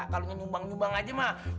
kalau nyumbang nyumbang aja mah